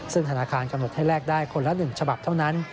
ซึ่งธนาคารกำหนดให้แลกได้คนละ๑ฉบับเท่านั้น